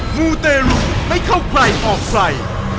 หมูเต่หลุมไม่เข้าใครออกใส่